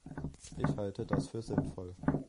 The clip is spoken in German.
Ich halte das für sinnvoll.